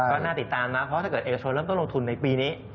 ก็น่าติดตามนะเพราะถ้าเกิดเอกชนเริ่มต้นลงทุนในปีนี้